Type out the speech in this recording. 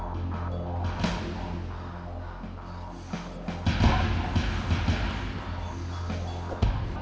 kenapa itu kenapa